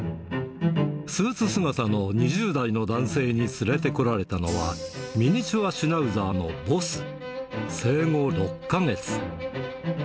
スーツ姿の２０代の男性に連れてこられたのは、ミニチュア・シュナウザーのボス、生後６か月。